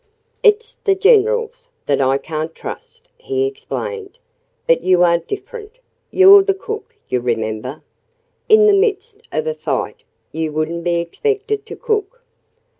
"It's the generals that I can't trust," he explained. "But you are different. You're the cook, you remember. In the midst of a fight, you wouldn't be expected to cook."